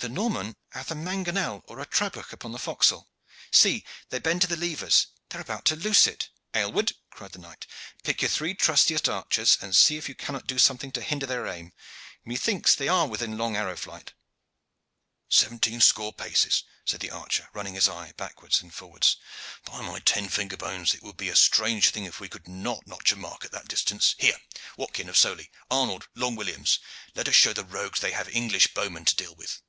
The Norman hath a mangonel or a trabuch upon the forecastle. See, they bend to the levers! They are about to loose it." "Aylward," cried the knight, "pick your three trustiest archers, and see if you cannot do something to hinder their aim. Methinks they are within long arrow flight." "Seventeen score paces," said the archer, running his eye backwards and forwards. "By my ten finger bones! it would be a strange thing if we could not notch a mark at that distance. Here, Watkin of Sowley, Arnold, Long Williams, let us show the rogues that they have English bowmen to deal with."